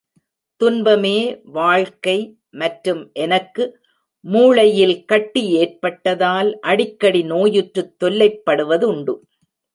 துன்பமே வாழ்க்கை மற்றும், எனக்கு மூளையில் கட்டி ஏற்பட்டதால், அடிக்கடி நோயுற்றுத் தொல்லைப்படுவதுண்டு.